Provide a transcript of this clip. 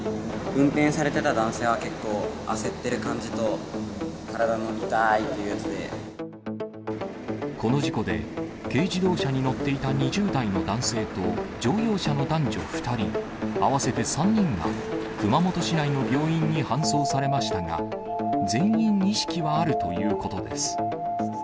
運転されてた男性は、結構、焦ってる感じと、この事故で、軽自動車に乗っていた２０代の男性と、乗用車の男女２人、合わせて３人が、熊本市内の病院に搬送されましたが、全員意識はあるということです。